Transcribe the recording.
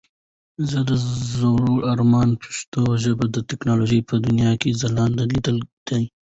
زما د زړه ارمان پښتو ژبه د ټکنالوژۍ په دنيا کې ځلانده ليدل دي.